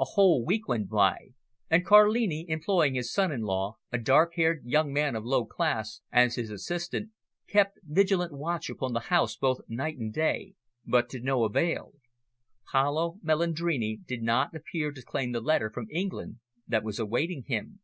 A whole week went by, and Carlini, employing his son in law, a dark haired young man of low class, as his assistant, kept vigilant watch upon the house both night and day, but to no avail. Paolo Melandrini did not appear to claim the letter from England that was awaiting him.